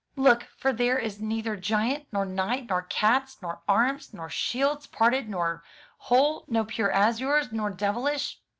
Look; for there is neither giant, nor knight, nor cats, nor arms, nor shields parted nor whole, nor pure azures nor devilish.